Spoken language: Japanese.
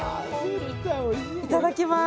いただきます。